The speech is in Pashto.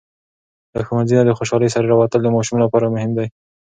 له ښوونځي نه د خوشالۍ سره راووتل د ماشوم لپاره مهم دی.